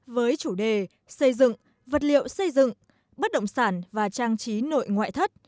với chủ đề xây dựng vật liệu xây dựng bất động sản và trang trí nội ngoại thất